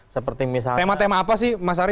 seperti misalnya tema tema apa sih mas ari